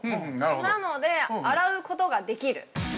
なので、洗うことができる。